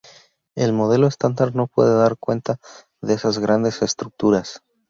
El Modelo Estándar no puede dar cuenta de esas grandes estructuras.